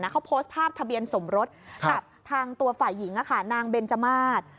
เขาโพสต์ภาพทะเบียนสมรสกับทางตัวฝ่ายหญิงนางเบนจมาส